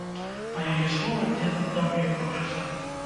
Па яе словах, дзед аддаў ёй грошы сам.